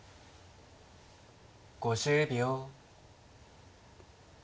５０秒。